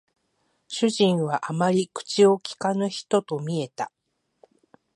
主人はあまり口を聞かぬ人と見えた